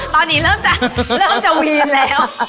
ตอนนี้เริ่มจะเริ่มจะวีนแล้ว